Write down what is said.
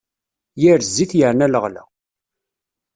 Yir zzit, yerna leɣla.